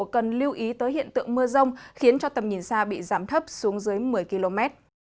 cần lưu ý tới hiện tượng mưa rông khiến cho tầm nhìn xa bị giảm thấp xuống dưới một mươi km